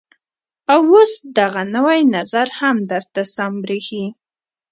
او اوس دغه نوى نظر هم درته سم بريښي.